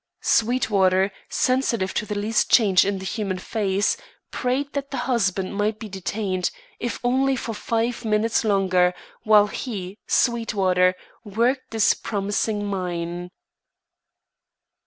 Sweetwater, sensitive to the least change in the human face, prayed that the husband might be detained, if only for five minutes longer, while he, Sweetwater, worked this promising mine.